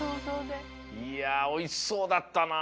いやおいしそうだったな。